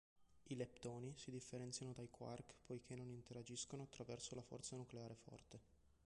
I leptoni si differenziano dai quark poiché non interagiscono attraverso la forza nucleare forte.